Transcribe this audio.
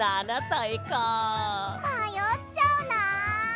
まよっちゃうな。